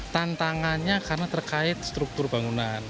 tantangannya karena terkait struktur bangunan